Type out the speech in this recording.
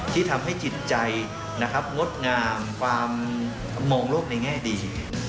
ที่ทำให้จิตใจนะครับงดงามความมองโลกในแง่ดี